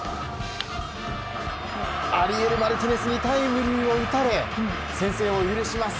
アリエル・マルティネスにタイムリーを打たれ先制を許します。